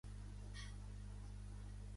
Yolanda és pintora